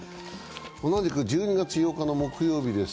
１２月８日の木曜日です。